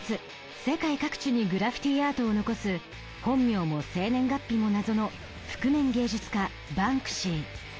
世界各地にグラフィティアートを残す本名も生年月日も謎の覆面芸術家バンクシー。